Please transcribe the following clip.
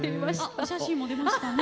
あっお写真も出ましたね。